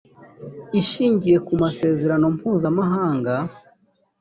ishingiye ku masezerano mpuzamahanga